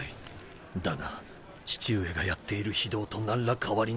だが父上がやっている非道と何ら変わりない。